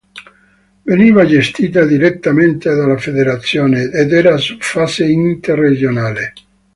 Veniva gestita direttamente dalla federazione ed era su base interregionale.